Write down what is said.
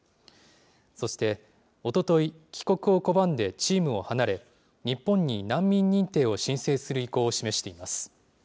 そしておととい、帰国を拒んでチームを離れ、日本に難民認定を申請する意向を示しています。